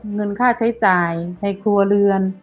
เงินค่าใช้จ่ายในครัวเรือน